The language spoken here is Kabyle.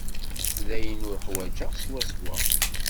D ayen ay uḥwaǧeɣ swaswa.